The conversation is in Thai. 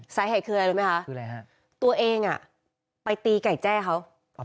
สายแห่งคืออะไรรู้ไหมคะตัวเองไปตีไก่แจ้เขา